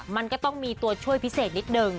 มันก็ต้องมีตัวช่วยพิเศษนิดนึง